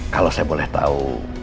kalau saya boleh tau